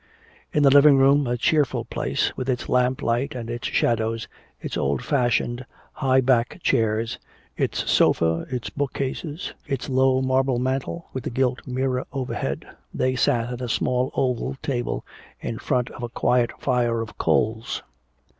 In the living room, a cheerful place, with its lamp light and its shadows, its old fashioned high back chairs, its sofa, its book cases, its low marble mantel with the gilt mirror overhead, they sat at a small oval table in front of a quiet fire of coals.